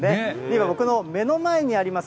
今僕の目の前にあります